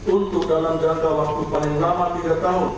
untuk dalam jangka waktu paling lama tiga tahun